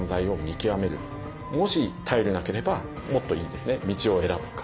もし頼れなければもっといい道を選ぶか。